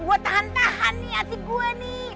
gue tahan tahan nih hati gue nih